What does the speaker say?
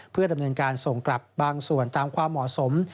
เพื่อดำเนินการส่งกลับบางส่วนตามความเหมาะสม